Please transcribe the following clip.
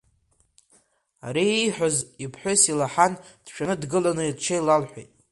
Ари ииҳәоз иԥҳәыс илаҳан, дшәаны дгыланы лҽеилалҳәеит.